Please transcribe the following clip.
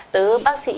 tớ bác sĩ